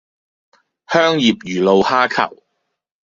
香葉魚露蝦球